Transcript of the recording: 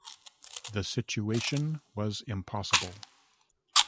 The situation was impossible.